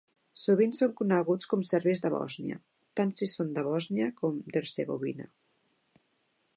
Sovint són coneguts com a serbis de Bòsnia, tant si són de Bòsnia com d'Hercegovina.